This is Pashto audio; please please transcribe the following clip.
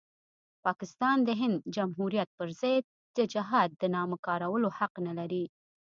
پاکستان د هند د جمهوریت پرضد د جهاد د نامه کارولو حق نلري.